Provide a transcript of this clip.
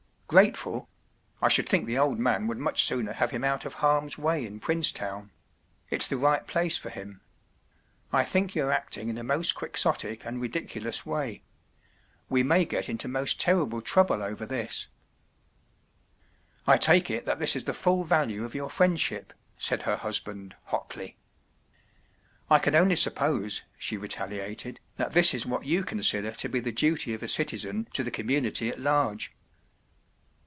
” “ Grateful! I should think the old man would much sooner have him out of harm’s way in Princetown. It’s the right place for him. I think you’re acting in a most Quixotic and ridiculous way. We may get into most terrible trouble over this.” “ I take it that this is the full value of your friendship,” said her husband, hotly. “ I can only suppose,” she retaliated, “ that this is what you consider to be the duty of a citizen to the community at large.